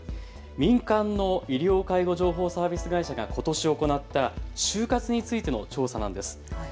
民間の医療介護情報サービス会社がことし行った終活についての調査なんです。